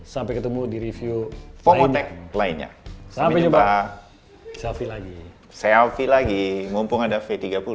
sampai ketemu di review formate lainnya sampai jumpa selfie lagi selfie lagi mumpung ada v tiga puluh